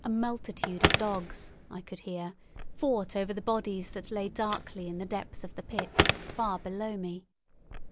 A multitude of dogs, I could hear, fought over the bodies that lay darkly in the depth of the pit, far below me.